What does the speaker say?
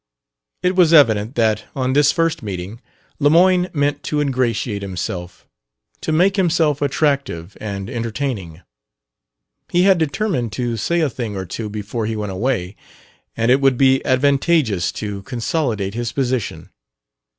It was evident that, on this first meeting, Lemoyne meant to ingratiate himself to make himself attractive and entertaining. He had determined to say a thing or two before he went away, and it would be advantageous to consolidate his position.